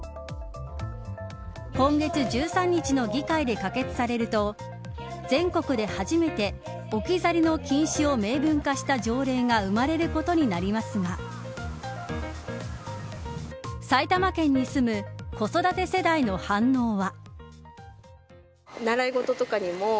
今月１３日の議会で可決されると全国で初めて置き去りの禁止を明文化した条例が生まれることになりますが埼玉県に住む子育て世代の反応は。